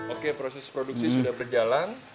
oke proses produksi sudah berjalan